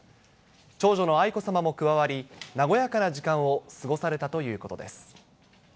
長女の愛子さまも加わり、和やかな時間を過ごされたということです。